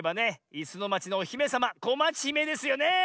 「いすのまち」のおひめさまこまちひめですよねえ！